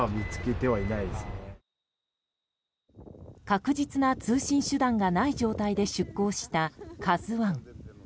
確実な通信手段がない状態で出航した「ＫＡＺＵ１」。